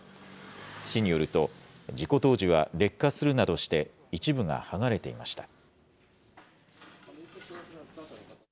市によると、事故当時は、劣化するなどして、一部が剥がれていました。